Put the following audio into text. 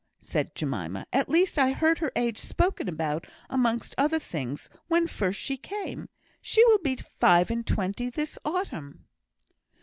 said Jemima. "At least, I heard her age spoken about, amongst other things, when first she came. She will be five and twenty this autumn."